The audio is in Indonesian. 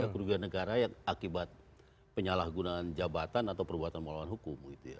kerugian negara yang akibat penyalahgunaan jabatan atau perbuatan melawan hukum